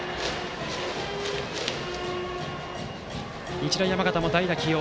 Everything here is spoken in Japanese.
日大山形も代打起用